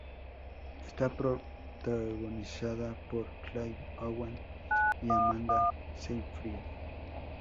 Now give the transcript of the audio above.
Esta protagonizada por Clive Owen y Amanda Seyfried.